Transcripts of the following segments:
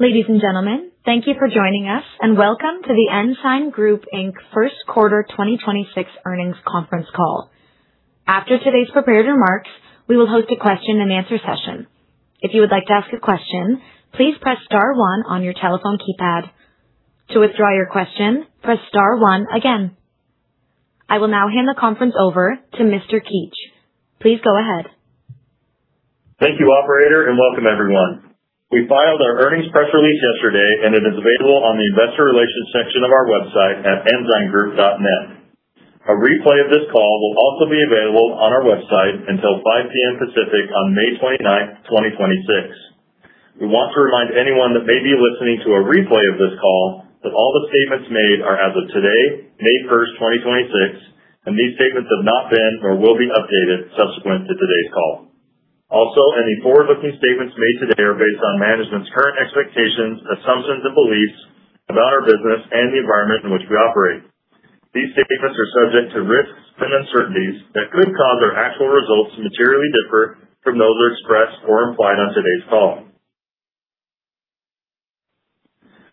Ladies and gentlemen, thank you for joining us, and welcome to The Ensign Group, Inc. First quarter 2026 earnings conference call. After today's prepared remarks, we will host a question-and-answer session. If you would like to ask a question, please press star one on your telephone keypad. To withdraw your question, press star one again. I will now hand the conference over to Mr. Keetch. Please go ahead. Thank you, operator, and welcome everyone. We filed our earnings press release yesterday, and it is available on the investor relations section of our website at ensigngroup.net. A replay of this call will also be available on our website until 5:00 P.M. Pacific on May 29th, 2026. We want to remind anyone that may be listening to a replay of this call that all the statements made are as of today, May 1st, 2026, and these statements have not been or will be updated subsequent to today's call. Any forward-looking statements made today are based on management's current expectations, assumptions and beliefs about our business and the environment in which we operate. These statements are subject to risks and uncertainties that could cause our actual results to materially differ from those expressed or implied on today's call.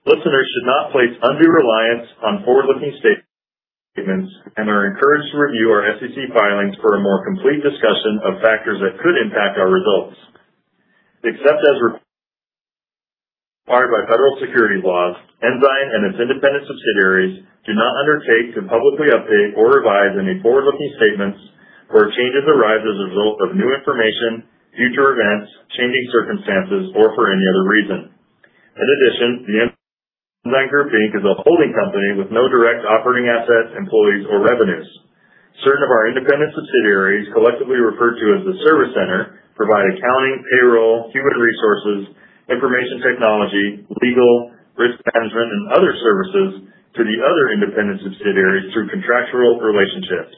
Listeners should not place undue reliance on forward-looking statements and are encouraged to review our SEC filings for a more complete discussion of factors that could impact our results. Except as required by federal securities laws, Ensign and its independent subsidiaries do not undertake to publicly update or revise any forward-looking statements where changes arise as a result of new information, future events, changing circumstances, or for any other reason. In addition, The Ensign Group, Inc. is a holding company with no direct operating assets, employees, or revenues. Certain of our independent subsidiaries, collectively referred to the Service Center, provide accounting, payroll, human resources, information technology, legal, risk management, and other services to the other independent subsidiaries through contractual relationships.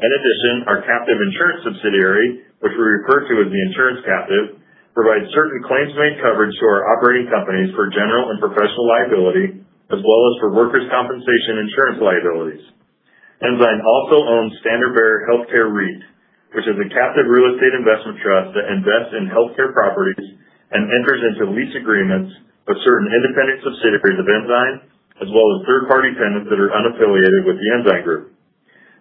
In addition, our captive insurance subsidiary, which we refer to as the insurance captive, provides certain claims-made coverage to our operating companies for general and professional liability, as well as for workers' compensation insurance liabilities. Ensign also owns Standard Bearer Healthcare REIT, which is a captive real estate investment trust that invests in healthcare properties and enters into lease agreements with certain independent subsidiaries of Ensign, as well as third-party tenants that are unaffiliated with The Ensign Group.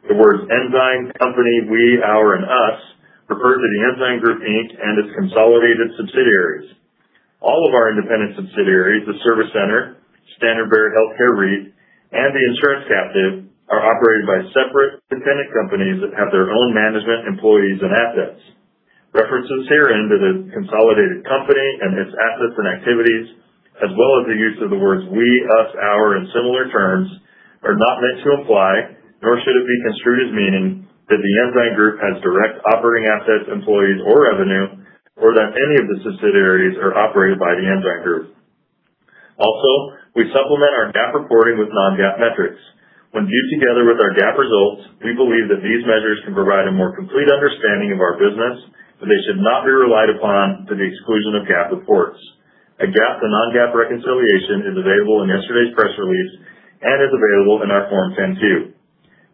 The words Ensign, company, we, our, and us refer to The Ensign Group, Inc. and its consolidated subsidiaries. All of our independent subsidiaries, the Service Center, Standard Bearer Healthcare REIT, and the insurance captive, are operated by separate independent companies that have their own management, employees, and assets. References herein to the consolidated company and its assets and activities, as well as the use of the words we, us, our, and similar terms, are not meant to imply, nor should it be construed as meaning, that The Ensign Group has direct operating assets, employees, or revenue, or that any of the subsidiaries are operated by The Ensign Group. We supplement our GAAP reporting with non-GAAP metrics. When viewed together with our GAAP results, we believe that these measures can provide a more complete understanding of our business, but they should not be relied upon to the exclusion of GAAP reports. A GAAP to non-GAAP reconciliation is available in yesterday's press release and is available in our Form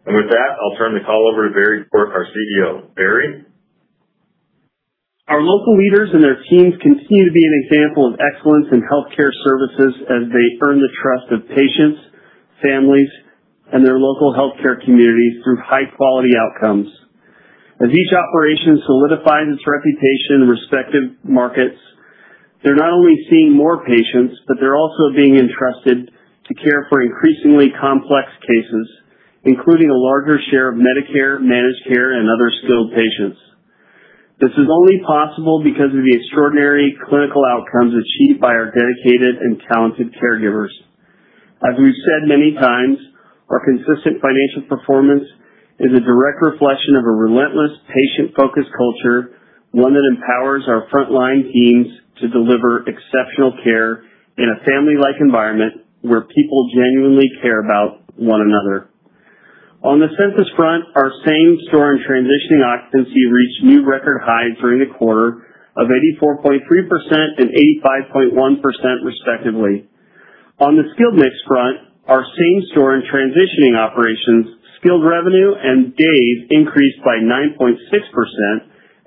10-Q. With that, I'll turn the call over to Barry Port, our CEO. Barry? Our local leaders and their teams continue to be an example of excellence in healthcare services as they earn the trust of patients, families, and their local healthcare communities through high-quality outcomes. As each operation solidifies its reputation in respective markets, they're not only seeing more patients, but they're also being entrusted to care for increasingly complex cases, including a larger share of Medicare, managed care, and other skilled patients. This is only possible because of the extraordinary clinical outcomes achieved by our dedicated and talented caregivers. As we've said many times, our consistent financial performance is a direct reflection of a relentless patient-focused culture, one that empowers our frontline teams to deliver exceptional care in a family-like environment where people genuinely care about one another. On the census front, our same-store and transitioning occupancy reached new record highs during the quarter of 84.3% and 85.1%, respectively. On the skilled mix front, our same-store and transitioning operations, skilled revenue and days increased by 9.6%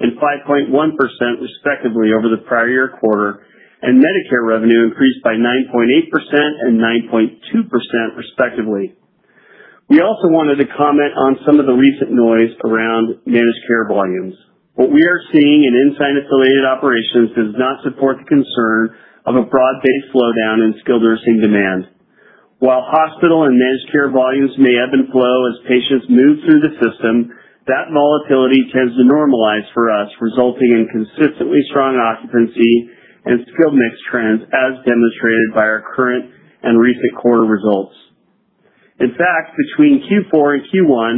and 5.1%, respectively, over the prior year quarter, and Medicare revenue increased by 9.8% and 9.2%, respectively. We also wanted to comment on some of the recent noise around managed care volumes. What we are seeing in Ensign-affiliated operations does not support the concern of a broad-based slowdown in skilled nursing demand. While hospital and managed care volumes may ebb and flow as patients move through the system, that volatility tends to normalize for us, resulting in consistently strong occupancy and skilled mix trends, as demonstrated by our current and recent quarter results. In fact, between Q4 and Q1,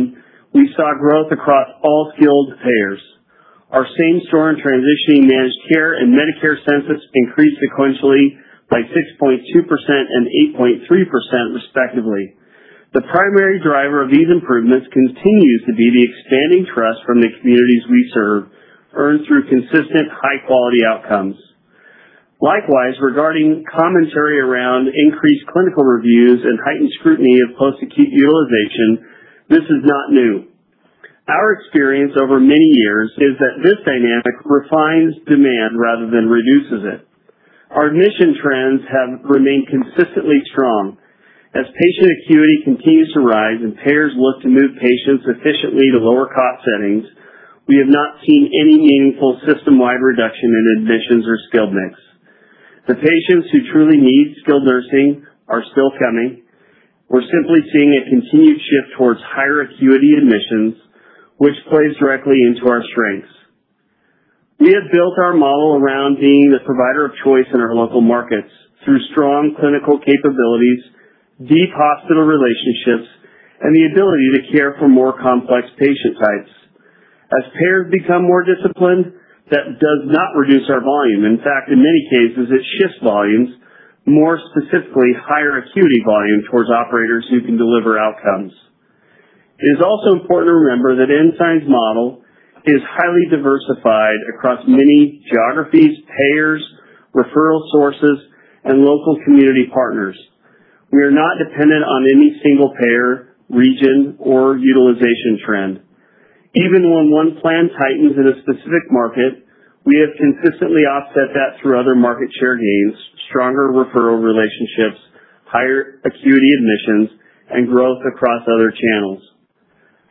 we saw growth across all skilled payers. Our same-store and transitioning managed care and Medicare census increased sequentially by 6.2% and 8.3%, respectively. The primary driver of these improvements continues to be the expanding trust from the communities we serve, earned through consistent high-quality outcomes. Likewise, regarding commentary around increased clinical reviews and heightened scrutiny of post-acute utilization, this is not new. Our experience over many years is that this dynamic refines demand rather than reduces it. Our admission trends have remained consistently strong. As patient acuity continues to rise and payers look to move patients efficiently to lower cost settings, we have not seen any meaningful system-wide reduction in admissions or skilled mix. The patients who truly need skilled nursing are still coming. We're simply seeing a continued shift towards higher acuity admissions, which plays directly into our strengths. We have built our model around being the provider of choice in our local markets through strong clinical capabilities, deep hospital relationships, and the ability to care for more complex patient types. As payers become more disciplined, that does not reduce our volume. In fact, in many cases, it shifts volumes, more specifically higher acuity volume towards operators who can deliver outcomes. It is also important to remember that Ensign's model is highly diversified across many geographies, payers, referral sources, and local community partners. We are not dependent on any single payer, region, or utilization trend. Even when one plan tightens in a specific market, we have consistently offset that through other market share gains, stronger referral relationships, higher acuity admissions, and growth across other channels.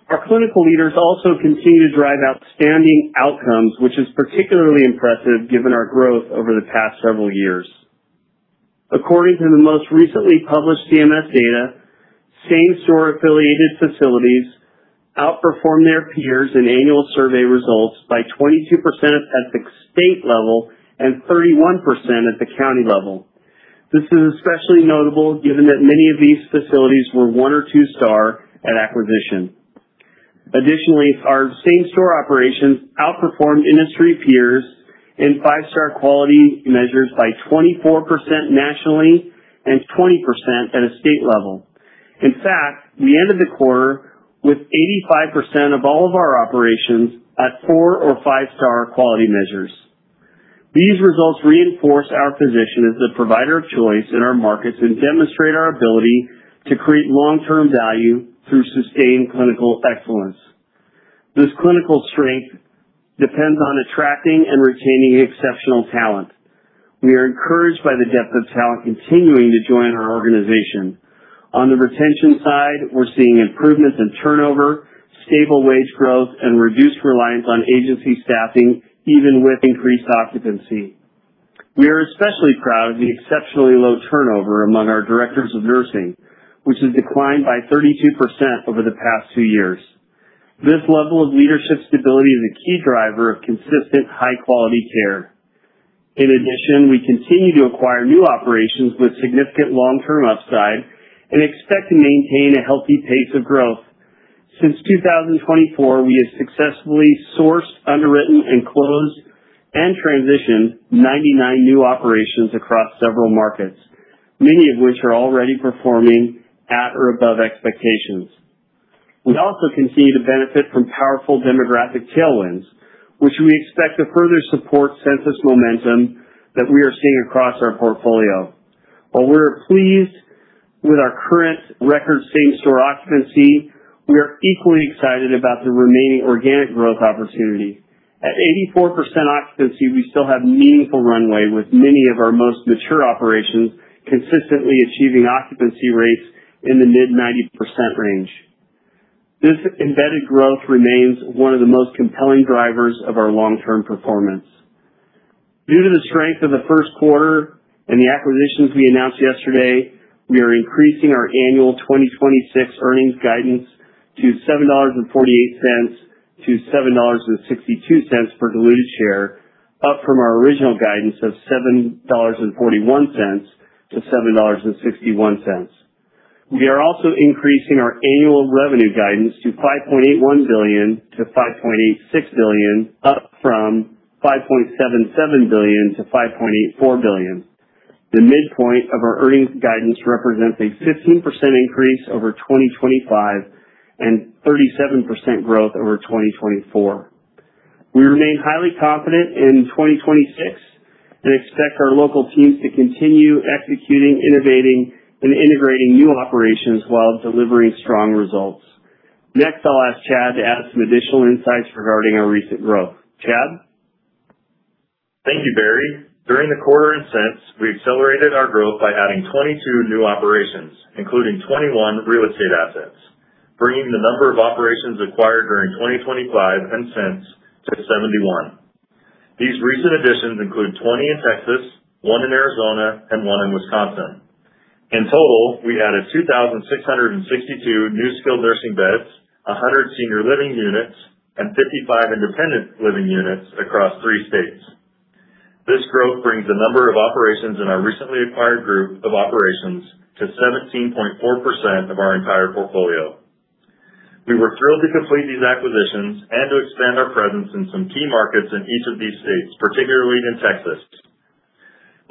Our clinical leaders also continue to drive outstanding outcomes, which is particularly impressive given our growth over the past several years. According to the most recently published CMS data, same-store affiliated facilities outperformed their peers in annual survey results by 22% at the state level and 31% at the county level. This is especially notable given that many of these facilities were one or two star at acquisition. Additionally, our same-store operations outperformed industry peers in Five-Star quality measures by 24% nationally and 20% at a state level. In fact, we ended the quarter with 85% of all of our operations at four or Five-Star quality measures. These results reinforce our position as the provider of choice in our markets and demonstrate our ability to create long-term value through sustained clinical excellence. This clinical strength depends on attracting and retaining exceptional talent. We are encouraged by the depth of talent continuing to join our organization. On the retention side, we're seeing improvements in turnover, stable wage growth, and reduced reliance on agency staffing, even with increased occupancy. We are especially proud of the exceptionally low turnover among our directors of nursing, which has declined by 32% over the past two years. This level of leadership stability is a key driver of consistent high-quality care. In addition, we continue to acquire new operations with significant long-term upside and expect to maintain a healthy pace of growth. Since 2024, we have successfully sourced, underwritten, and closed and transitioned 99 new operations across several markets, many of which are already performing at or above expectations. We also continue to benefit from powerful demographic tailwinds, which we expect to further support census momentum that we are seeing across our portfolio. While we're pleased with our current record same-store occupancy, we are equally excited about the remaining organic growth opportunity. At 84% occupancy, we still have meaningful runway with many of our most mature operations consistently achieving occupancy rates in the mid 90% range. This embedded growth remains one of the most compelling drivers of our long-term performance. Due to the strength of the first quarter and the acquisitions we announced yesterday, we are increasing our annual 2026 earnings guidance to $7.48-$7.62 per diluted share, up from our original guidance of $7.41-$7.61. We are also increasing our annual revenue guidance to $5.81 billion-$5.86 billion, up from $5.77 billion-$5.84 billion. The midpoint of our earnings guidance represents a 15% increase over 2025 and 37% growth over 2024. We remain highly confident in 2026 and expect our local teams to continue executing, innovating, and integrating new operations while delivering strong results. Next, I'll ask Chad to add some additional insights regarding our recent growth. Chad? Thank you, Barry. During the quarter at Ensign, we accelerated our growth by adding 22 new operations, including 21 real estate assets, bringing the number of operations acquired during 2025 and since to 71. These recent additions include 20 in Texas, one in Arizona, and one in Wisconsin. In total, we added 2,662 new skilled nursing beds, 100 senior living units, and 55 independent living units across three states. This growth brings the number of operations in our recently acquired group of operations to 17.4% of our entire portfolio. We were thrilled to complete these acquisitions and to expand our presence in some key markets in each of these states, particularly in Texas.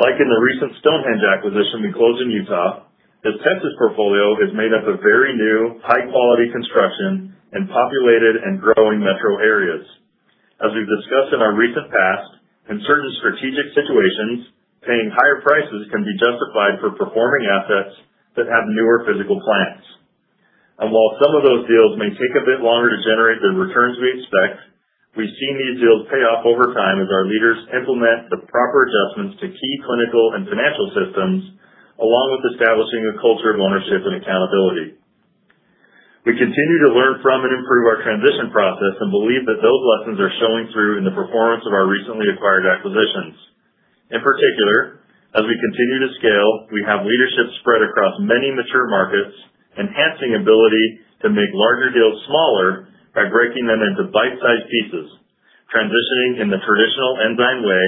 In the recent Stonehenge acquisition we closed in Utah, this Texas portfolio is made up of very new, high-quality construction in populated and growing metro areas. As we've discussed in our recent past, in certain strategic situations, paying higher prices can be justified for performing assets that have newer physical plants. While some of those deals may take a bit longer to generate the returns we expect, we've seen these deals pay off over time as our leaders implement the proper adjustments to key clinical and financial systems, along with establishing a culture of ownership and accountability. We continue to learn from and improve our transition process and believe that those lessons are showing through in the performance of our recently acquired acquisitions. In particular, as we continue to scale, we have leadership spread across many mature markets, enhancing ability to make larger deals smaller by breaking them into bite-sized pieces, transitioning in the traditional Ensign way,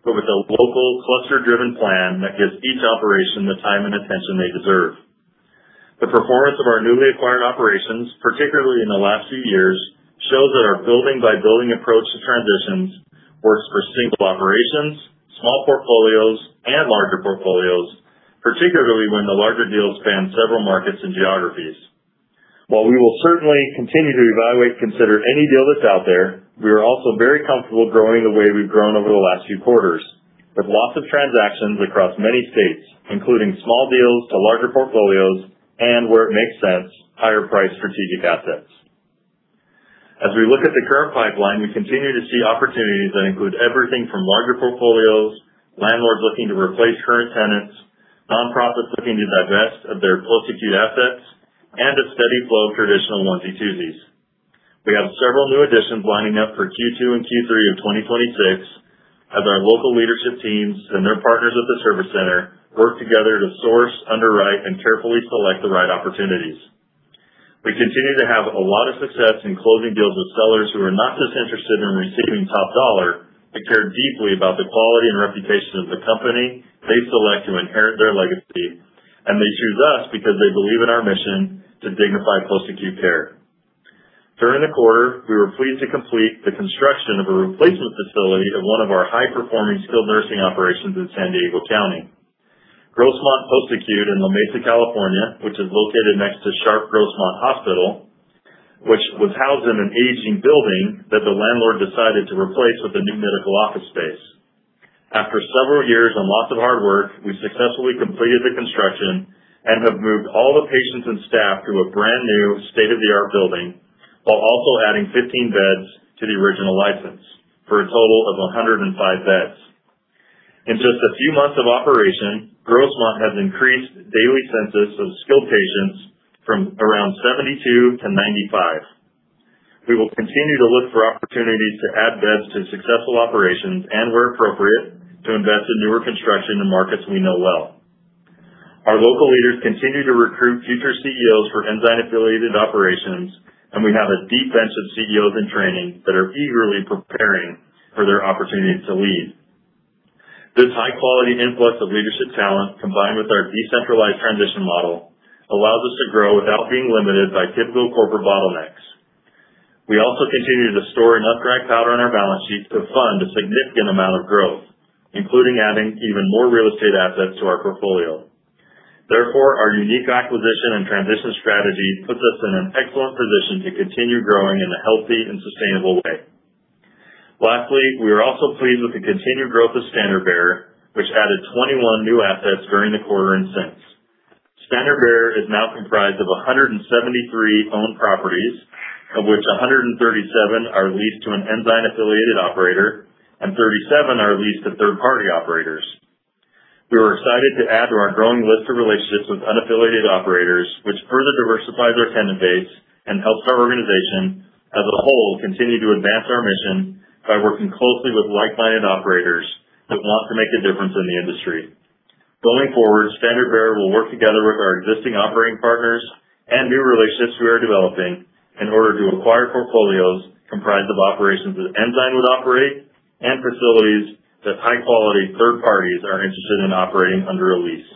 but with a local cluster-driven plan that gives each operation the time and attention they deserve. The performance of our newly acquired operations, particularly in the last few years, shows that our building-by-building approach to transitions works for single operations, small portfolios, and larger portfolios, particularly when the larger deals span several markets and geographies. While we will certainly continue to evaluate and consider any deal that's out there, we are also very comfortable growing the way we've grown over the last few quarters, with lots of transactions across many states, including small deals to larger portfolios and where it makes sense, higher priced strategic assets. As we look at the current pipeline, we continue to see opportunities that include everything from larger portfolios, landlords looking to replace current tenants, nonprofits looking to divest of their post-acute assets, and a steady flow of traditional onesie-twosies. We have several new additions lining up for Q2 and Q3 of 2026 as our local leadership teams and their partners at the Service Center work together to source, underwrite, and carefully select the right opportunities. We continue to have a lot of success in closing deals with sellers who are not just interested in receiving top dollar, but care deeply about the quality and reputation of the company they select to inherit their legacy, and they choose us because they believe in our mission to dignify post-acute care. During the quarter, we were pleased to complete the construction of a replacement facility at one of our high-performing skilled nursing operations in San Diego County. Grossmont Post Acute in La Mesa, California, which is located next to Sharp Grossmont Hospital, which was housed in an aging building that the landlord decided to replace with a new medical office space. After several years and lots of hard work, we successfully completed the construction and have moved all the patients and staff to a brand-new state-of-the-art building while also adding 15 beds to the original license for a total of 105 beds. In just a few months of operation, Grossmont has increased daily census of skilled patients from around 72-95. We will continue to look for opportunities to add beds to successful operations and where appropriate, to invest in newer construction in markets we know well. Our local leaders continue to recruit future CEOs for Ensign-affiliated operations, and we have a deep bench of CEOs in training that are eagerly preparing for their opportunities to lead. This high-quality influx of leadership talent, combined with our decentralized transition model, allows us to grow without being limited by typical corporate bottlenecks. We also continue to store enough dry powder on our balance sheet to fund a significant amount of growth, including adding even more real estate assets to our portfolio. Therefore, our unique acquisition and transition strategy puts us in an excellent position to continue growing in a healthy and sustainable way. Lastly, we are also pleased with the continued growth of Standard Bearer, which added 21 new assets during the quarter and since. Standard Bearer is now comprised of 173 owned properties, of which 137 are leased to an Ensign-affiliated operator and 37 are leased to third-party operators. We are excited to add to our growing list of relationships with unaffiliated operators, which further diversifies our tenant base and helps our organization as a whole continue to advance our mission by working closely with like-minded operators that want to make a difference in the industry. Going forward, Standard Bearer will work together with our existing operating partners and new relationships we are developing in order to acquire portfolios comprised of operations that Ensign would operate and facilities that high-quality third parties are interested in operating under a lease.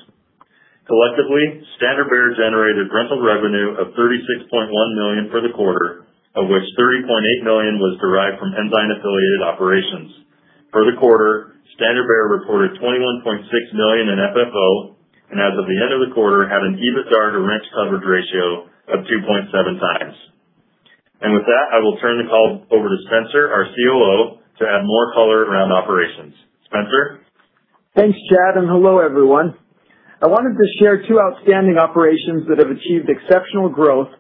Collectively, Standard Bearer generated rental revenue of $36.1 million for the quarter, of which $30 million was derived from Ensign-affiliated operations. For the quarter, Standard Bearer reported $21.6 million in FFO, and as of the end of the quarter, had an EBITDA to rent coverage ratio of 2.7 times. With that, I will turn the call over to Spencer, our COO, to add more color around operations. Spencer? Thanks, Chad, and hello, everyone. I wanted to share two outstanding operations that have achieved exceptional growth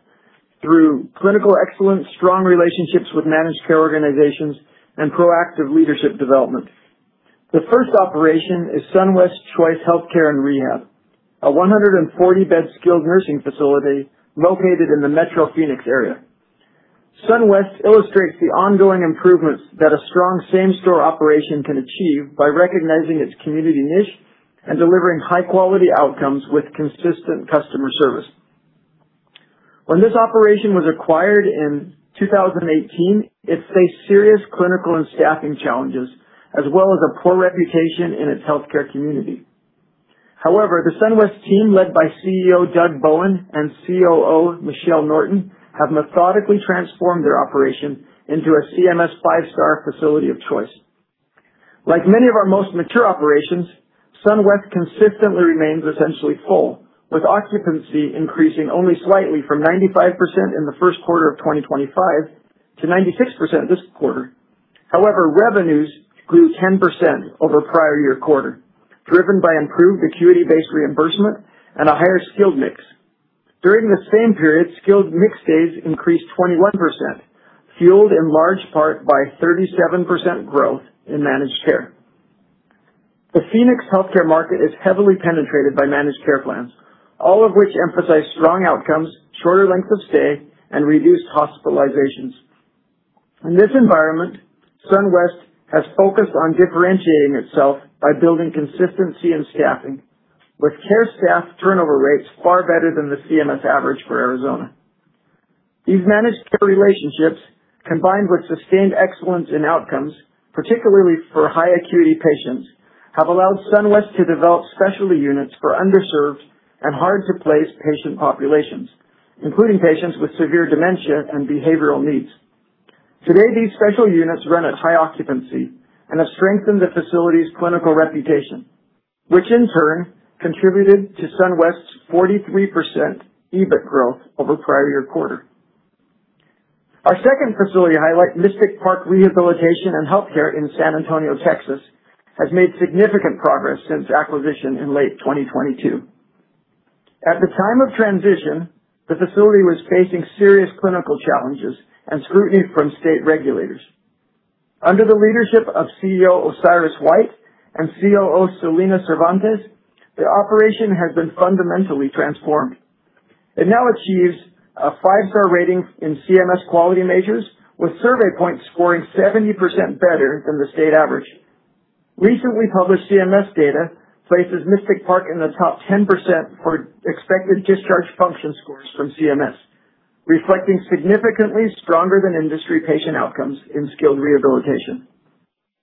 through clinical excellence, strong relationships with managed care organizations, and proactive leadership development. The first operation is Sunwest Choice Healthcare & Rehab, a 140-bed skilled nursing facility located in the metro Phoenix area. Sunwest illustrates the ongoing improvements that a strong same-store operation can achieve by recognizing its community niche and delivering high-quality outcomes with consistent customer service. When this operation was acquired in 2018, it faced serious clinical and staffing challenges, as well as a poor reputation in its healthcare community. The Sunwest team, led by CEO Doug Bowen and COO Michelle Norton, have methodically transformed their operation into a CMS Five-Star facility of choice. Like many of our most mature operations, Sunwest consistently remains essentially full, with occupancy increasing only slightly from 95% in the first quarter of 2025 to 96% this quarter. Revenues grew 10% over prior year quarter, driven by improved acuity-based reimbursement and a higher skilled mix. During the same period, skilled mix days increased 21%, fueled in large part by 37% growth in managed care. The Phoenix healthcare market is heavily penetrated by managed care plans, all of which emphasize strong outcomes, shorter length of stay, and reduced hospitalizations. In this environment, Sunwest has focused on differentiating itself by building consistency in staffing, with care staff turnover rates far better than the CMS average for Arizona. These managed care relationships, combined with sustained excellence in outcomes, particularly for high acuity patients, have allowed Sunwest to develop specialty units for underserved and hard-to-place patient populations, including patients with severe dementia and behavioral needs. Today, these specialty units run at high occupancy and have strengthened the facility's clinical reputation, which in turn contributed to Sunwest's 43% EBIT growth over prior year quarter. Our second facility highlight, Mystic Park Rehabilitation and Healthcare in San Antonio, Texas, has made significant progress since acquisition in late 2022. At the time of transition, the facility was facing serious clinical challenges and scrutiny from state regulators. Under the leadership of CEO Osiris White and COO Selena Cervantes, the operation has been fundamentally transformed. It now achieves a five-star rating in CMS quality measures, with survey points scoring 70% better than the state average. Recently published CMS data places Mystic Park in the top 10% for expected discharge function scores from CMS, reflecting significantly stronger than industry patient outcomes in skilled rehabilitation.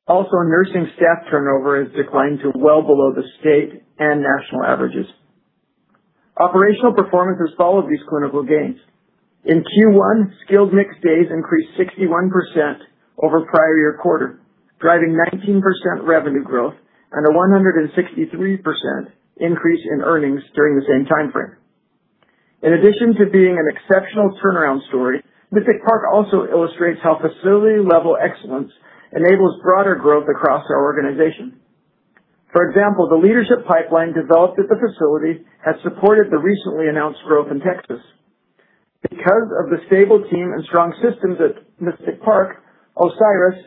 Also, nursing staff turnover has declined to well below the state and national averages. Operational performance has followed these clinical gains. In Q1, skilled mix days increased 61% over prior year quarter, driving 19% revenue growth and a 163% increase in earnings during the same timeframe. In addition to being an exceptional turnaround story, Mystic Park also illustrates how facility-level excellence enables broader growth across our organization. For example, the leadership pipeline developed at the facility has supported the recently announced growth in Texas. Because of the stable team and strong systems at Mystic Park, Osiris,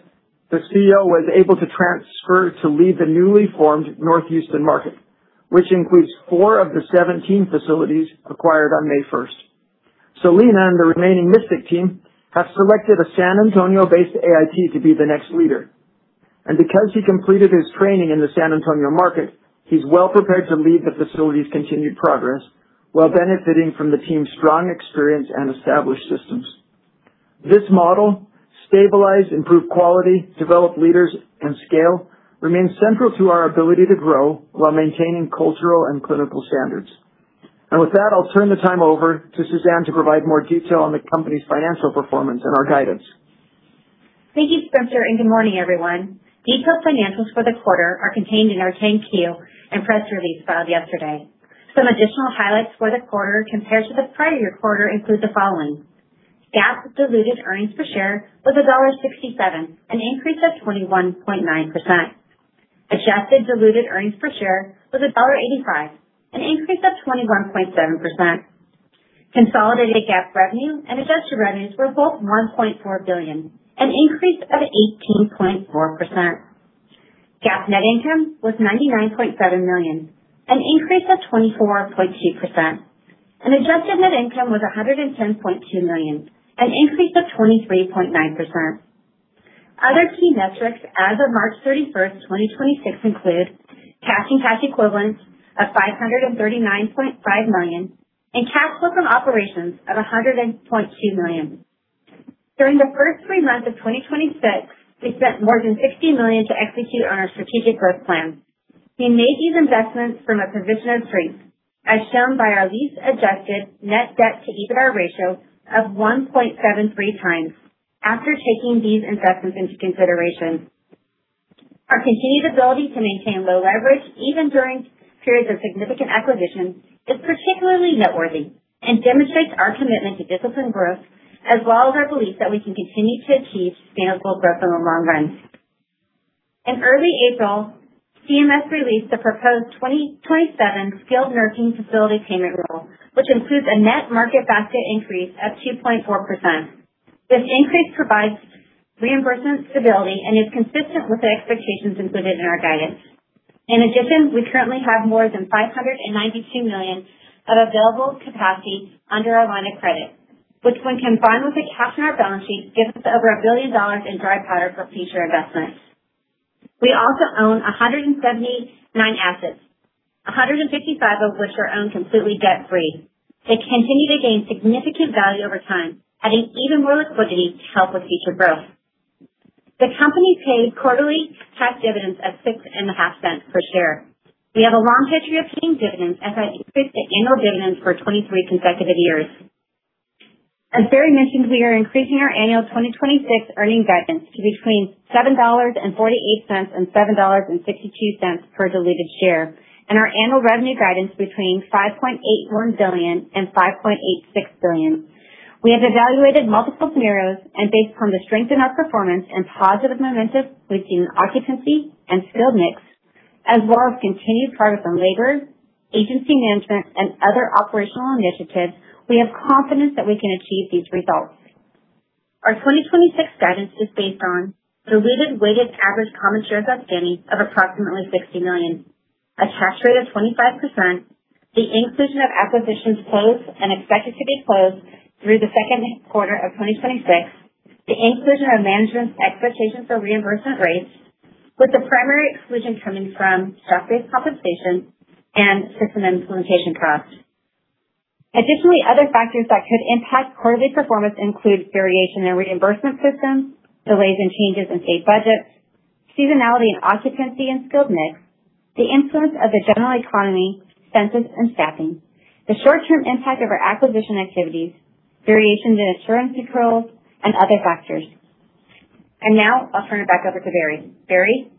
the CEO, was able to transfer to lead the newly formed North Houston market, which includes four of the 17 facilities acquired on May first. Selena and the remaining Mystic team have selected a San Antonio-based AIT to be the next leader. Because he completed his training in the San Antonio market, he's well-prepared to lead the facility's continued progress while benefiting from the team's strong experience and established systems. This model, stabilize, improve quality, develop leaders, and scale, remains central to our ability to grow while maintaining cultural and clinical standards. With that, I'll turn the time over to Suzanne to provide more detail on the company's financial performance and our guidance. Thank you, Spencer, and good morning, everyone. Detailed financials for the quarter are contained in our 10-Q and press release filed yesterday. Some additional highlights for the quarter compared to the prior year quarter include the following: GAAP diluted earnings per share was $1.67, an increase of 21.9%. Adjusted diluted earnings per share was $1.85, an increase of 21.7%. Consolidated GAAP revenue and adjusted revenues were both $1.4 billion, an increase of 18.4%. GAAP net income was $99.7 million, an increase of 24.2%, and adjusted net income was $110.2 million, an increase of 23.9%. Other key metrics as of March 31, 2026, include cash and cash equivalents of $539.5 million and cash flow from operations of $100.2 million. During the first three months of 2026, we spent more than $60 million to execute on our strategic growth plan. We made these investments from a position of strength, as shown by our lease-adjusted net debt to EBITDA ratio of 1.73 times after taking these investments into consideration. Our continued ability to maintain low leverage, even during periods of significant acquisition, is particularly noteworthy and demonstrates our commitment to disciplined growth, as well as our belief that we can continue to achieve sustainable growth over the long run. In early April, CMS released the proposed 2027 skilled nursing facility payment rule, which includes a net market basket increase of 2.4%. This increase provides reimbursement stability and is consistent with the expectations included in our guidance. In addition, we currently have more than $592 million of available capacity under our line of credit, which when combined with the cash on our balance sheet, gives us over $1 billion in dry powder for future investments. We also own 179 assets, 155 of which are owned completely debt free. They continue to gain significant value over time, adding even more liquidity to help with future growth. The company paid quarterly cash dividends of $0.065 per share. We have a long history of paying dividends, as I increased the annual dividends for 23 consecutive years. As Barry mentioned, we are increasing our annual 2026 earning guidance to between $7.48 and $7.62 per diluted share and our annual revenue guidance between $5.81 billion and $5.86 billion. We have evaluated multiple scenarios and based upon the strength in our performance and positive momentum between occupancy and skilled mix as well as continued progress on labor, agency management, and other operational initiatives, we have confidence that we can achieve these results. Our 2026 guidance is based on diluted weighted average common shares outstanding of approximately 60 million, a tax rate of 25%, the inclusion of acquisitions closed and expected to be closed through the second quarter of 2026, the inclusion of management's expectations for reimbursement rates, with the primary exclusion coming from stock-based compensation and system implementation costs. Additionally, other factors that could impact quarterly performance include variation in reimbursement systems, delays and changes in state budgets, seasonality and occupancy in skilled mix, the influence of the general economy, census, and staffing, the short-term impact of our acquisition activities, variations in insurance controls, and other factors. Now I'll turn it back over to Barry. Barry?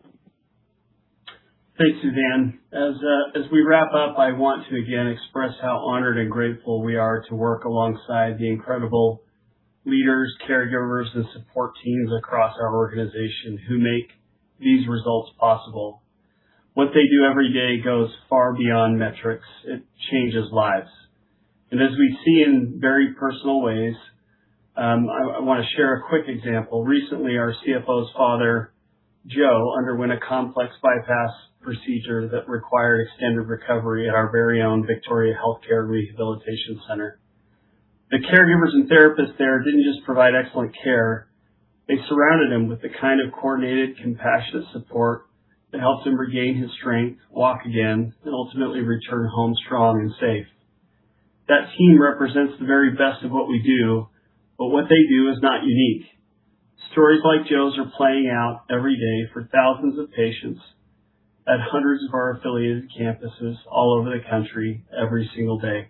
Thanks, Suzanne. As we wrap up, I want to again express how honored and grateful we are to work alongside the incredible leaders, caregivers, and support teams across our organization who make these results possible. What they do every day goes far beyond metrics. It changes lives. As we see in very personal ways, I want to share a quick example. Recently, our CFO's father, Joe, underwent a complex bypass procedure that required extended recovery at our very own Victoria Healthcare & Rehabilitation Center. The caregivers and therapists there didn't just provide excellent care. They surrounded him with the kind of coordinated, compassionate support that helped him regain his strength, walk again, and ultimately return home strong and safe. That team represents the very best of what we do, but what they do is not unique. Stories like Joe's are playing out every day for thousands of patients at hundreds of our affiliated campuses all over the country every single day.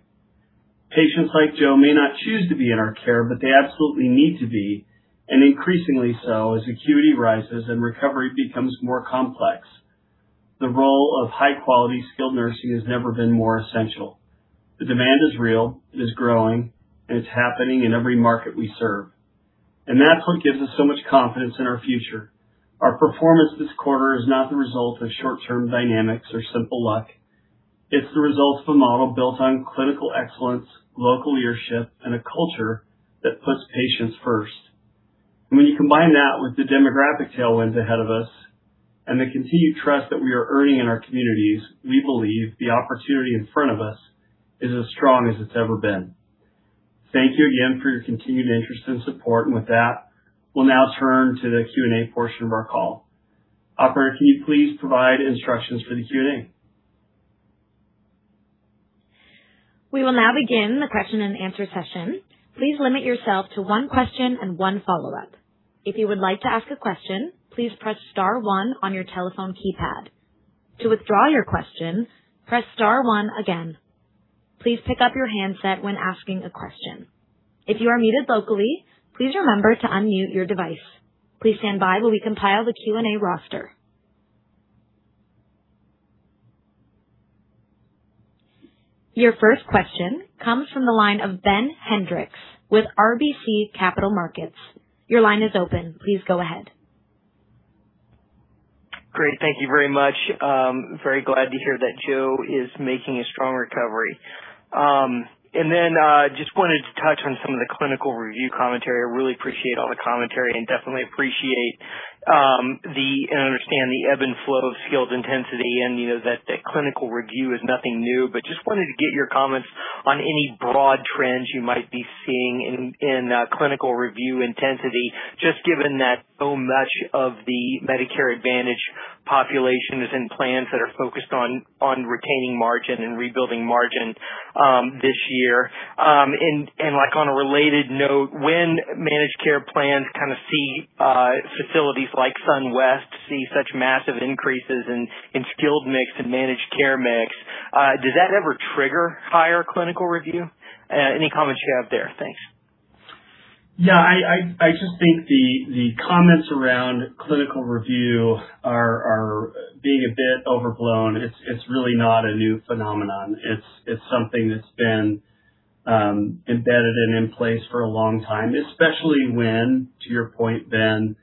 Patients like Joe may not choose to be in our care, but they absolutely need to be, and increasingly so. As acuity rises and recovery becomes more complex, the role of high-quality skilled nursing has never been more essential. The demand is real, it is growing, and it's happening in every market we serve. That's what gives us so much confidence in our future. Our performance this quarter is not the result of short-term dynamics or simple luck. It's the result of a model built on clinical excellence, local leadership, and a culture that puts patients first. When you combine that with the demographic tailwind ahead of us and the continued trust that we are earning in our communities, we believe the opportunity in front of us is as strong as it's ever been. Thank you again for your continued interest and support. With that, we'll now turn to the Q&A portion of our call. Operator, can you please provide instructions for the Q&A? Your first question comes from the line of Ben Hendrix with RBC Capital Markets. Your line is open. Please go ahead. Great. Thank you very much. Very glad to hear that Joe is making a strong recovery. Just wanted to touch on some of the clinical review commentary. I really appreciate all the commentary and definitely appreciate and understand the ebb and flow of skilled intensity and, you know, that clinical review is nothing new. Just wanted to get your comments on any broad trends you might be seeing in clinical review intensity, just given that so much of the Medicare Advantage population is in plans that are focused on retaining margin and rebuilding margin this year. Like on a related note, when managed care plans kinda see facilities like Sun West see such massive increases in skilled mix and managed care mix, does that ever trigger higher clinical review? Any comments you have there? Thanks. I just think the comments around clinical review are being a bit overblown. It's really not a new phenomenon. It's something that's been embedded and in place for a long time, especially when, to your point, Ben,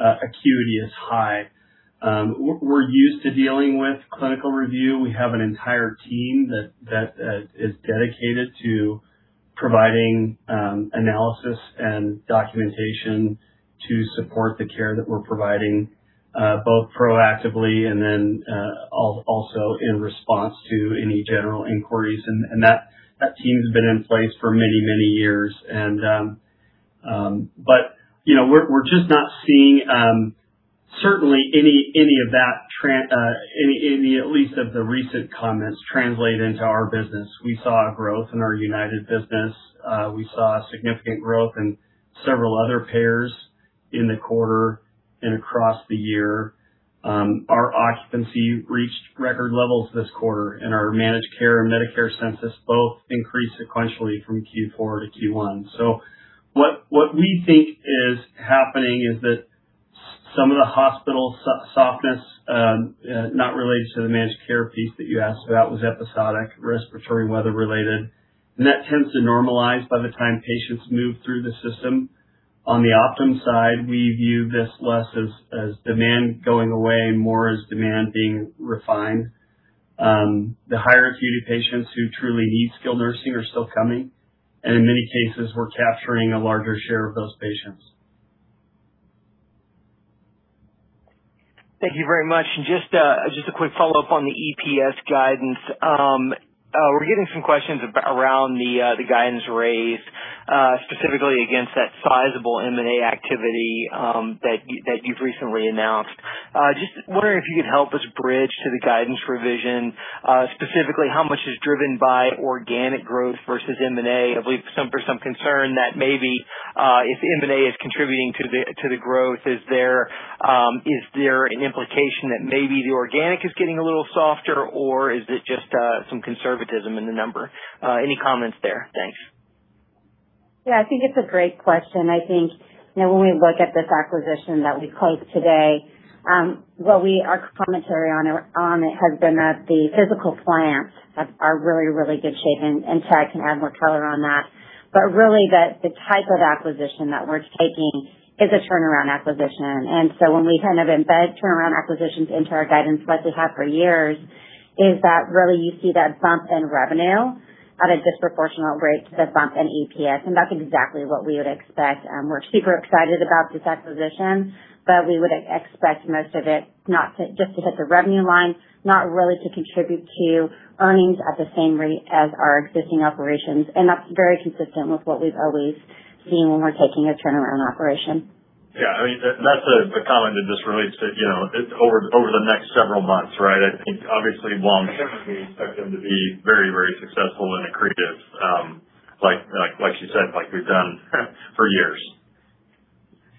acuity is high. We're used to dealing with clinical review. We have an entire team that is dedicated to providing analysis and documentation to support the care that we're providing, both proactively and then also in response to any general inquiries. That team's been in place for many, many years. You know, we're just not seeing certainly any of that, at least of the recent comments translate into our business. We saw growth in our United business. We saw significant growth in several other payers. In the quarter and across the year, our occupancy reached record levels this quarter, and our managed care and Medicare census both increased sequentially from Q4 to Q1. What we think is happening is that some of the hospital softness, not related to the managed care piece that you asked about, was episodic, respiratory weather related. That tends to normalize by the time patients move through the system. On the Optum side, we view this less as demand going away, more as demand being refined. The higher acuity patients who truly need skilled nursing are still coming, and in many cases, we're capturing a larger share of those patients. Thank you very much. Just a quick follow-up on the EPS guidance. We're getting some questions around the guidance raised, specifically against that sizable M&A activity that you've recently announced. Just wondering if you could help us bridge to the guidance revision, specifically how much is driven by organic growth versus M&A. I believe for some concern that maybe if M&A is contributing to the growth, is there an implication that maybe the organic is getting a little softer, or is it just some conservatism in the number? Any comments there? Thanks. Yeah, I think it's a great question. I think, you know, when we look at this acquisition that we closed today, our commentary on it has been that the physical plants are really good shape. Chad can add more color on that. Really the type of acquisition that we're taking is a turnaround acquisition. When we kind of embed turnaround acquisitions into our guidance, what we have for years is that really you see that bump in revenue at a disproportional rate to the bump in EPS, and that's exactly what we would expect. We're super excited about this acquisition, but we would expect most of it just to hit the revenue line, not really to contribute to earnings at the same rate as our existing operations. That's very consistent with what we've always seen when we're taking a turnaround operation. Yeah, I mean, that's a comment in this release that, you know, over the next several months, right? I think obviously, long term, we expect them to be very successful and accretive, like she said, like we've done for years.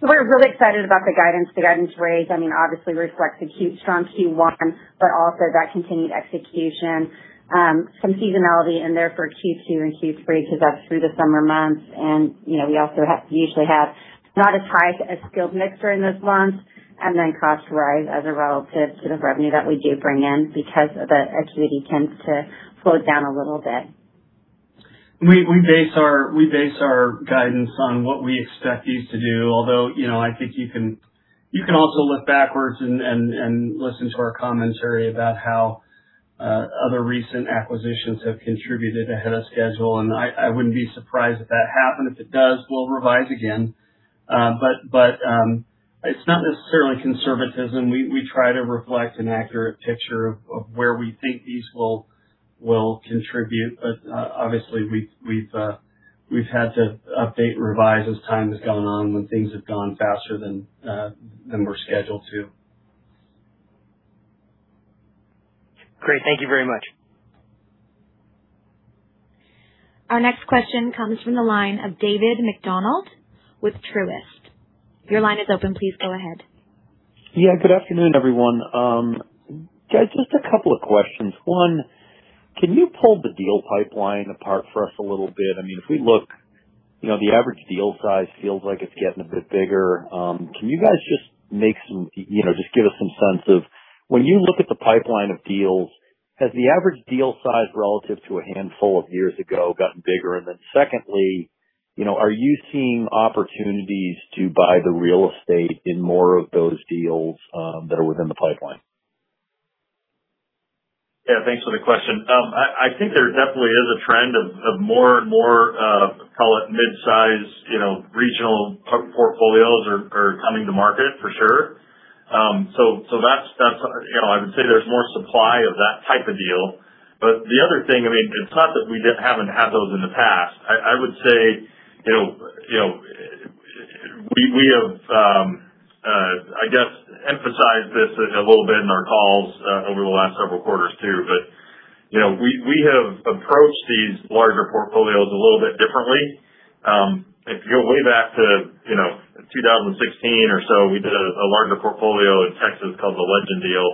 We're really excited about the guidance. The guidance raise, I mean, obviously reflects a huge strong Q1, but also that continued execution. Some seasonality in therefore Q2 and Q3 because that's through the summer months. You know, we also usually have not as high a skilled mix in those months, costs rise as a relative to the revenue that we do bring in because the acuity tends to slow down a little bit. We base our guidance on what we expect these to do. You know, I think you can also look backwards and listen to our commentary about how other recent acquisitions have contributed ahead of schedule. I wouldn't be surprised if that happened. If it does, we'll revise again. It's not necessarily conservatism. We try to reflect an accurate picture of where we think these will contribute. Obviously, we've had to update and revise as time has gone on when things have gone faster than we're scheduled to. Great. Thank you very much. Our next question comes from the line of David MacDonald with Truist. Your line is open. Please go ahead. Good afternoon, everyone. guys, just a couple of questions. One, can you pull the deal pipeline apart for us a little bit? I mean, if we look, you know, the average deal size feels like it's getting a bit bigger. can you guys just, you know, give us some sense of when you look at the pipeline of deals, has the average deal size relative to a handful of years ago gotten bigger? Secondly, you know, are you seeing opportunities to buy the real estate in more of those deals that are within the pipeline? Yeah, thanks for the question. I think there definitely is a trend of more and more, call it midsize, you know, regional portfolios are coming to market for sure. That's, you know, I would say there's more supply of that type of deal. The other thing, I mean, it's not that we haven't had those in the past. I would say, you know, we have, I guess emphasized this a little bit in our calls over the last several quarters too, but, you know, we have approached these larger portfolios a little bit differently. If you go way back to, you know, 2016 or so, we did a larger portfolio in Texas called the Legend deal,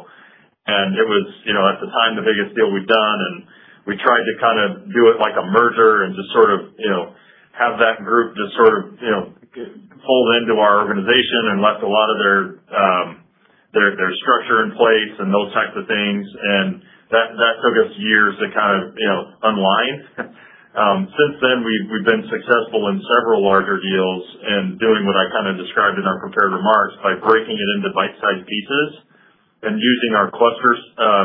and it was, you know, at the time, the biggest deal we'd done, and we tried to kind of do it like a merger and just sort of, you know, have that group just sort of, you know, pulled into our organization and left a lot of their structure in place and those types of things. That took us years to kind of, you know, unwind. Since then, we've been successful in several larger deals and doing what I kind of described in our prepared remarks by breaking it into bite-sized pieces and using our cluster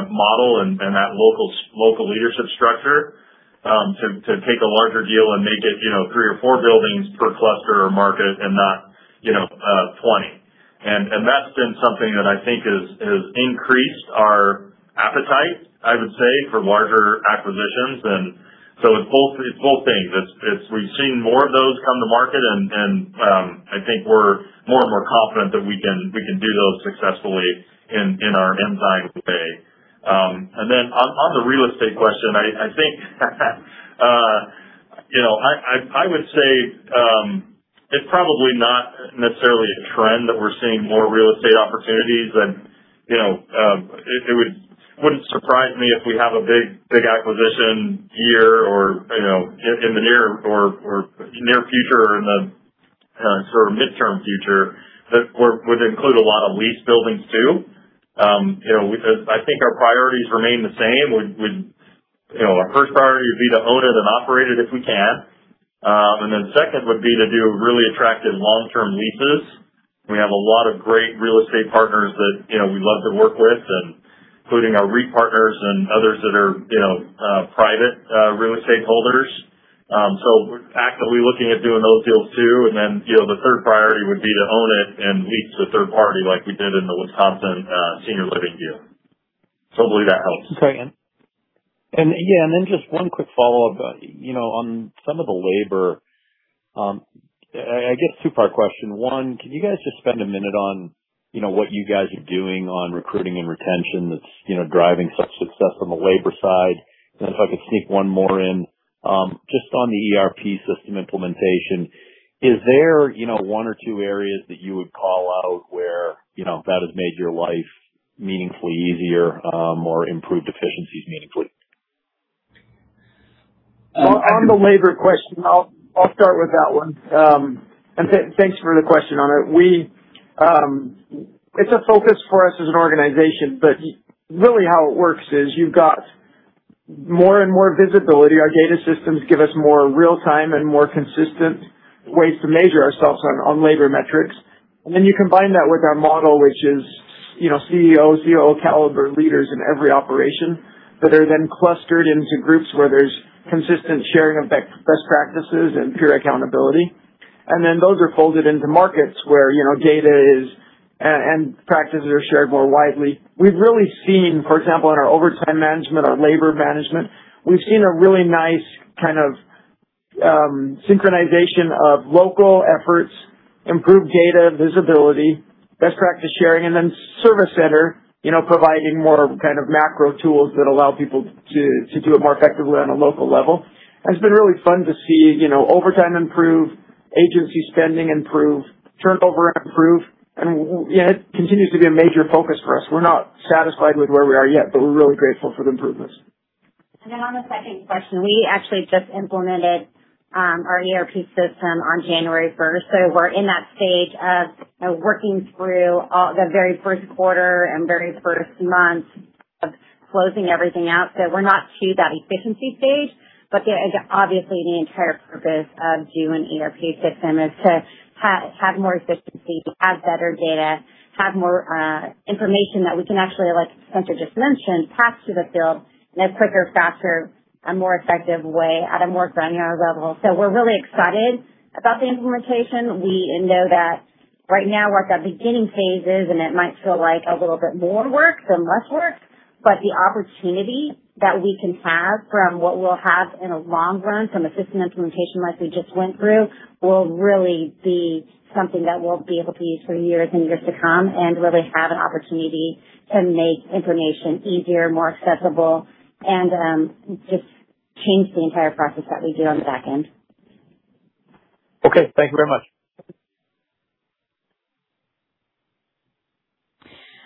model and that local leadership structure to take a larger deal and make it, you know, three or four buildings per cluster or market and not, you know, 20. That's been something that I think has increased our appetite, I would say, for larger acquisitions. It's both things. It's we've seen more of those come to market, I think we're more and more confident that we can do those successfully in our M&A way. On the real estate question, I think. You know, I would say, it's probably not necessarily a trend that we're seeing more real estate opportunities. You know, it wouldn't surprise me if we have a big acquisition here or, you know, in the near or near future or in the sort of midterm future that would include a lot of lease buildings too. You know, because I think our priorities remain the same. We'd You know, our first priority would be to own it and operate it if we can. Second would be to do really attractive long-term leases. We have a lot of great real estate partners that, you know, we love to work with, and including our RE partners and others that are, you know, private real estate holders. We're actively looking at doing those deals too. You know, the third priority would be to own it and lease to third party like we did in the Wisconsin senior living deal. Hopefully that helps. Okay. Just one quick follow-up. You know, on some of the labor, I guess two-part question. One, can you guys just spend a minute on, you know, what you guys are doing on recruiting and retention that's, you know, driving such success on the labor side? If I could sneak one more in, just on the ERP system implementation, is there, you know, one or two areas that you would call out where, you know, that has made your life meaningfully easier, or improved efficiencies meaningfully? On the labor question, I'll start with that one. Thanks for the question on it. It's a focus for us as an organization, but really how it works is you've got more and more visibility. Our data systems give us more real time and more consistent ways to measure ourselves on labor metrics. You combine that with our model, which is, you know, CEO, COO caliber leaders in every operation that are then clustered into groups where there's consistent sharing of best practices and peer accountability. Those are folded into markets where, you know, data is, and practices are shared more widely. We've really seen, for example, in our overtime management, our labor management, we've seen a really nice kind of synchronization of local efforts, improved data visibility, best practice sharing, and then Service Center, you know, providing more kind of macro tools that allow people to do it more effectively on a local level. It's been really fun to see, you know, overtime improve, agency spending improve, turnover improve. Yeah, it continues to be a major focus for us. We're not satisfied with where we are yet, but we're really grateful for the improvements. On the second question, we actually just implemented our ERP system on January 1st. We're in that stage of, you know, working through the very 1st quarter and very 1st month of closing everything out. We're not to that efficiency stage, but yeah, obviously the entire purpose of doing ERP system is to have more efficiency, have better data, have more information that we can actually, like Spencer just mentioned, pass to the field in a quicker, faster, and more effective way at a more granular level. We're really excited about the implementation. We know that right now we're at the beginning phases, and it might feel like a little bit more work than less work. The opportunity that we can have from what we'll have in a long run from a system implementation like we just went through, will really be something that we'll be able to use for years and years to come and really have an opportunity to make information easier, more accessible, and just change the entire process that we do on the back end. Okay. Thank you very much.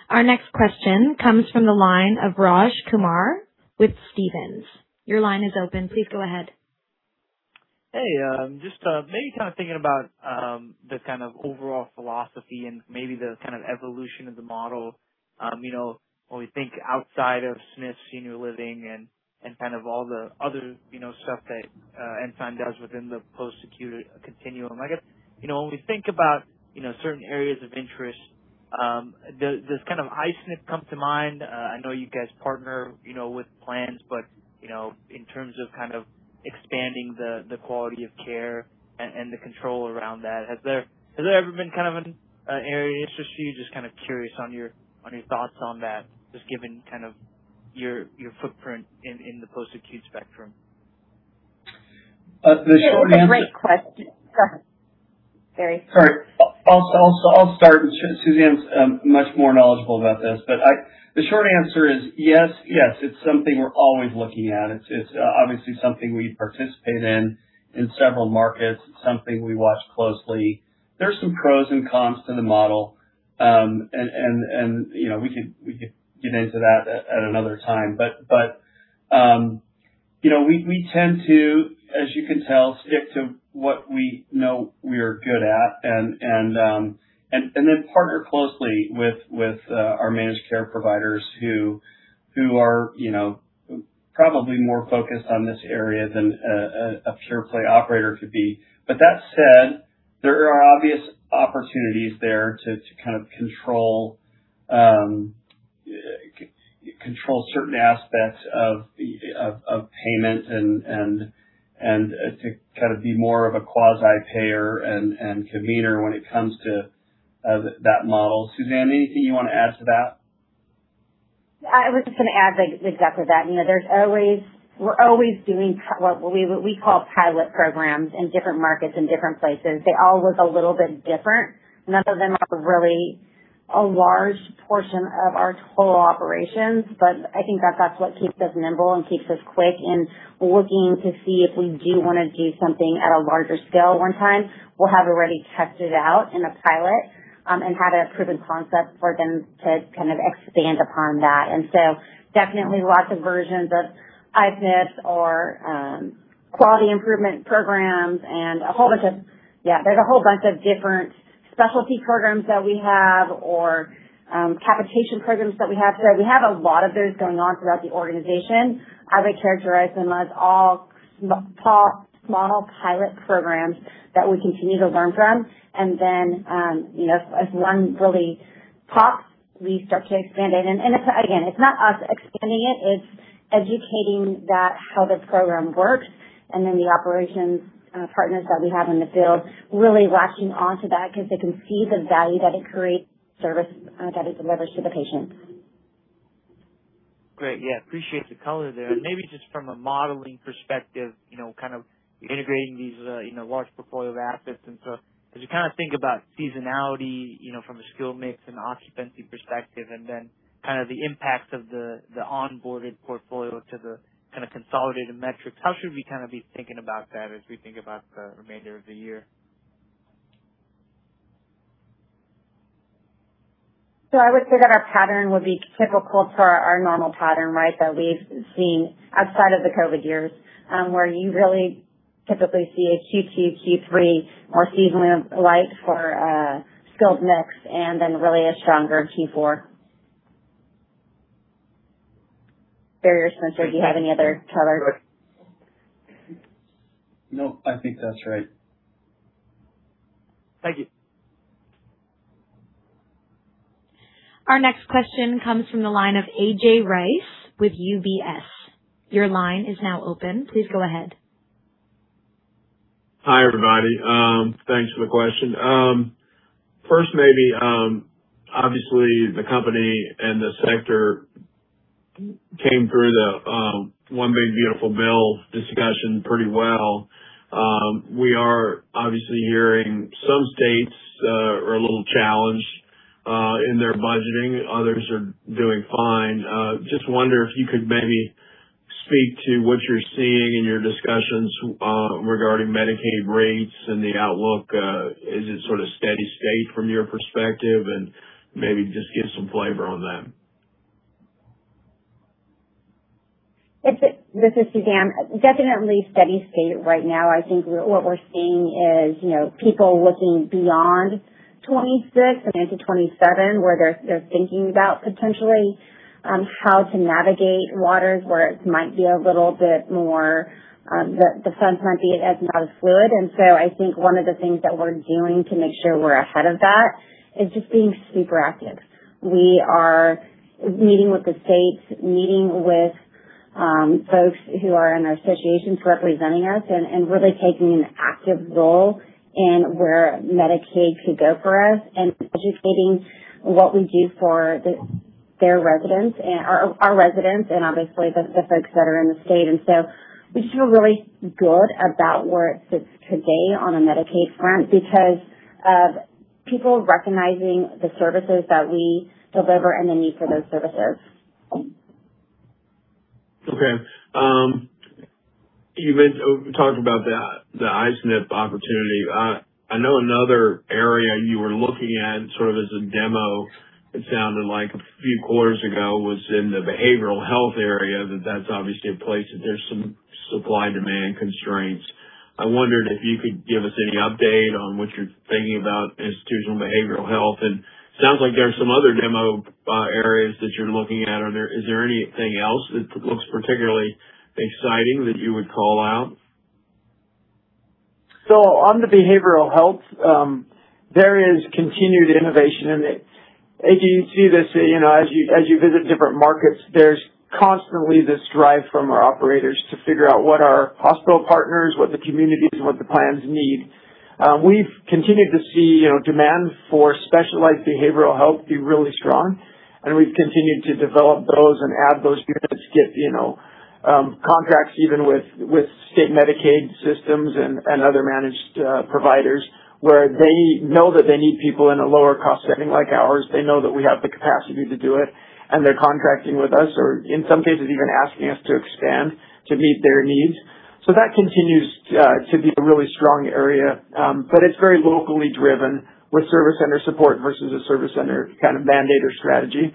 Our next question comes from the line of Raj Kumar with Stephens. Your line is open. Please go ahead. Hey, just maybe kind of thinking about the kind of overall philosophy and maybe the kind of evolution of the model, you know, when we think outside of Smith Senior Living and kind of all the other, you know, stuff that Ensign does within the post-acute continuum. I guess, you know, when we think about, you know, certain areas of interest, does kind of I-SNP come to mind? I know you guys partner, you know, with plans, but, you know, in terms of kind of expanding the quality of care and the control around that, has there, has there ever been kind of an area of interest for you? Just kind of curious on your, on your thoughts on that, just given kind of your footprint in the post-acute spectrum. The short answer- Yeah, that's a great question. Go ahead, Barry. Sorry. I'll start. Suzanne's much more knowledgeable about this, but the short answer is yes. Yes, it's something we're always looking at. It's obviously something we participate in in several markets. It's something we watch closely. There are some pros and cons to the model. You know, we could get into that at another time. You know, we tend to, as you can tell, stick to what we know we're good at and then partner closely with our managed care providers who are, you know, probably more focused on this area than a pure play operator could be. That said, there are obvious opportunities there to kind of control certain aspects of payment and to kind of be more of a quasi-payer and convener when it comes to that model. Suzanne, anything you wanna add to that? I was just gonna add the depth of that. You know, we're always doing what we call pilot programs in different markets, in different places. They all look a little bit different. None of them look a large portion of our total operations, but I think that that's what keeps us nimble and keeps us quick and looking to see if we do wanna do something at a larger scale one time, we'll have already tested out in a pilot and have a proven concept for them to kind of expand upon that. Definitely lots of versions of IFAs or quality improvement programs. Yeah, there's a whole bunch of different specialty programs that we have or capitation programs that we have. We have a lot of those going on throughout the organization. I would characterize them as all small pilot programs that we continue to learn from and then, you know, as one really pops, we start to expand it. It's, again, it's not us expanding it's educating that how this program works, and then the operations partners that we have in the field really latching onto that because they can see the value that it creates service that it delivers to the patient. Great. Yeah, appreciate the color there. Maybe just from a modeling perspective, you know, kind of integrating these, you know, large portfolio of assets. As you kind of think about seasonality, you know, from a skill mix and occupancy perspective, and then kind of the impact of the onboarded portfolio to the kind of consolidated metrics, how should we kinda be thinking about that as we think about the remainder of the year? I would say that our pattern would be typical for our normal pattern, right. That we've seen outside of the COVID years, where you really typically see a Q2, Q3 more seasonally light for skilled mix and then really a stronger Q4. Barry or Spencer, do you have any other color? No, I think that's right. Thank you. Our next question comes from the line of A.J. Rice with UBS. Your line is now open. Please go ahead. Hi, everybody. Thanks for the question. First maybe, obviously the company and the sector came through the One Big Beautiful Bill discussion pretty well. We are obviously hearing some states are a little challenged in their budgeting. Others are doing fine. Just wonder if you could maybe speak to what you're seeing in your discussions regarding Medicaid rates and the outlook. Is it sort of steady state from your perspective? Maybe just give some flavor on that. This is Suzanne. Definitely steady state right now. I think what we're seeing is, you know, people looking beyond 2026 and into 2027, where they're thinking about potentially how to navigate waters, where it might be a little bit more, the funds might be as not as fluid. I think one of the things that we're doing to make sure we're ahead of that is just being super active. We are meeting with the states, meeting with folks who are in our associations representing us and really taking an active role in where Medicaid could go for us and educating what we do for the, their residents or our residents and obviously the folks that are in the state. We just feel really good about where it sits today on a Medicaid front because of people recognizing the services that we deliver and the need for those services. Okay. You talked about the I-SNP opportunity. I know another area you were looking at sort of as a demo, it sounded like a few quarters ago, was in the behavioral health area, that that's obviously a place that there's some supply-demand constraints. I wondered if you could give us any update on what you're thinking about institutional behavioral health. Sounds like there are some other demo areas that you're looking at. Is there anything else that looks particularly exciting that you would call out? On the behavioral health, there is continued innovation. As you can see this, you know, as you visit different markets, there's constantly this drive from our operators to figure out what our hospital partners, what the communities, and what the plans need. We've continued to see, you know, demand for specialized behavioral health be really strong, and we've continued to develop those and add those units, get, you know, contracts even with state Medicaid systems and other managed providers where they know that they need people in a lower cost setting like ours. They know that we have the capacity to do it, and they're contracting with us or in some cases even asking us to expand to meet their needs. That continues to be a really strong area. It's very locally driven with Service Center support versus a Service Center kind of mandate or strategy.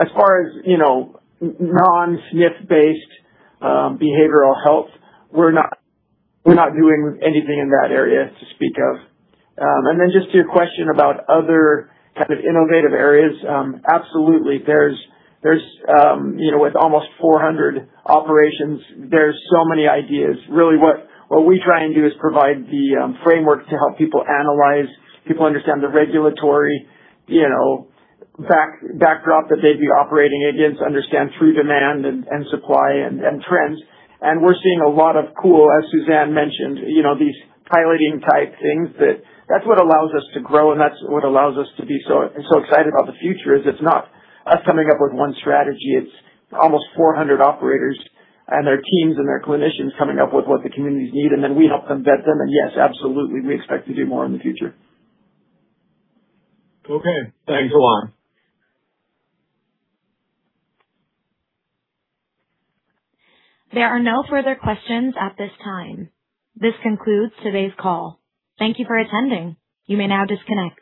As far as, you know, non SNF-based behavioral health, we're not doing anything in that area to speak of. Just to your question about other kind of innovative areas, absolutely. There's, you know, with almost 400 operations, there's so many ideas. Really what we try and do is provide the framework to help people analyze, people understand the regulatory, you know, backdrop that they'd be operating against, understand true demand and supply and trends. We're seeing a lot of cool, as Suzanne mentioned, you know, these piloting-type things that that's what allows us to grow and that's what allows us to be so excited about the future, is it's not us coming up with one strategy. It's almost 400 operators and their teams and their clinicians coming up with what the communities need, and then we help them vet them. Yes, absolutely, we expect to do more in the future. Okay. Thanks a lot. There are no further questions at this time. This concludes today's call. Thank you for attending. You may now disconnect.